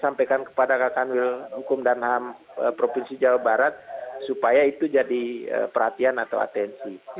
sampaikan kepada kakanwil hukum dan ham provinsi jawa barat supaya itu jadi perhatian atau atensi